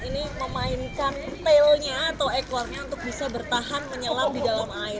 ini memainkan tailnya atau ekornya untuk bisa bertahan menyelam di dalam air